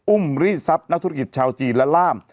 อุ้มริสัปดิ์นักธุรกิจชาวจีนและร่าม